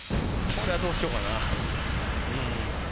これはどうしようかな。